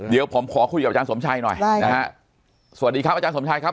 เดี๋ยวผมขอคุยกับอาจารย์สมชัยหน่อยใช่นะฮะสวัสดีครับอาจารย์สมชัยครับ